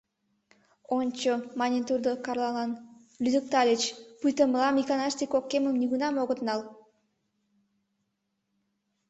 — Ончо, — мане тудо Карлалан, — лӱдыктыльыч, пуйто мылам иканаште кок кемым нигунам огыт нал.